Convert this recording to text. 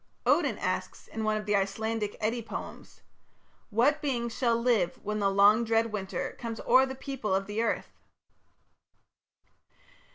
Odin asks in one of the Icelandic Eddie poems: What beings shall live when the long dread winter Comes o'er the people of earth?